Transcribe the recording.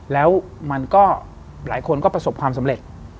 แล้วมันก็หลายคนก็ประสบความสำเร็จ